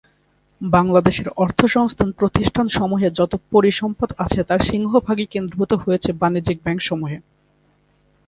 বাংলাদেশের অর্থসংস্থান প্রতিষ্ঠানসমূহে যত পরিসম্পদ আছে তার সিংহভাগই কেন্দ্রীভূত হয়েছে বাণিজ্যিক ব্যাংকসমূহে।